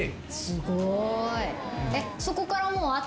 すごい。